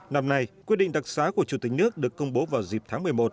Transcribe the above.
năm nay quyết định đặc xá của chủ tịch nước được công bố vào dịp tháng một mươi một